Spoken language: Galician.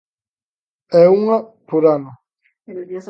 É unha por ano.